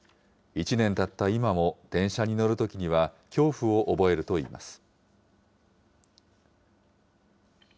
１年たった今も、電車に乗るときには恐怖を覚えるといいます。